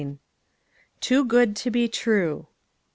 TOO GOOD TO BE TRUE.